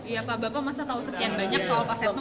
ya pak bapak masih tahu sekian banyak soal pak setnoff